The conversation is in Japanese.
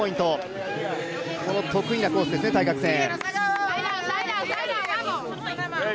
得意なコースですね、対角線。